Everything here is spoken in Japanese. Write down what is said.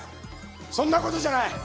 そんなことじゃない。